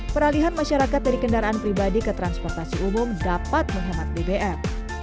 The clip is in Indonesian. peralihan masyarakat dari kendaraan pribadi ke transportasi umum dapat menghemat bbm